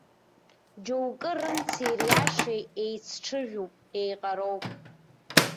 Џьоукы рымци риашеи еицҽыжәуп, еиҟароуп.